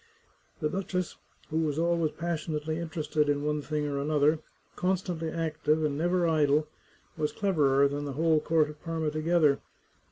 The duchess, who was always passionately interested in one thing or another, constantly active and never idle, was cleverer than the whole court of Parma together.